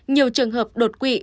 nhiều trường hợp đột quỵ